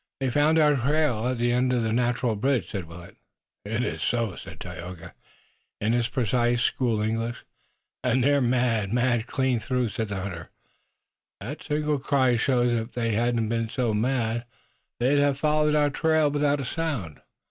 "They've found our trail at the end of the natural bridge," said Willet. "It is so," said Tayoga, in his precise school English. "And they're mad, mad clean through," said the hunter. "That single cry shows it. If they hadn't been so mad they'd have followed our trail without a sound.